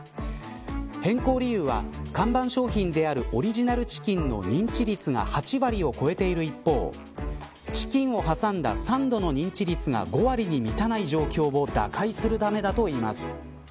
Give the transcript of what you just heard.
変更理由は看板商品であるオリジナルチキンの認知率が８割を超えている一方チキンを挟んだサンドの認知率が５割に満たない状況を打開するためだといいます。